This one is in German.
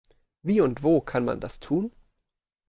Wie und wo kann man das tun?